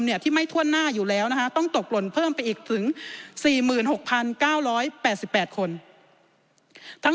เด็กที่ไม่ถ้วนหน้าอยู่แล้วต้องตกหล่นเพิ่มไปอีกถึง๔๖๙๘๘คน